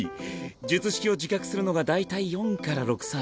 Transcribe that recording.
術式を自覚するのがだいたい４から６歳。